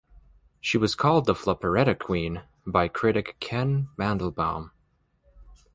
She was called the "floperetta queen" by critic Ken Mandelbaum.